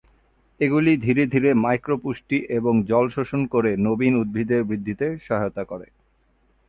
এগুলি ধীরে ধীরে মাইক্রো পুষ্টি এবং জল শোষণ করে নবীন উদ্ভিদের বৃদ্ধিতে সহায়তা করে।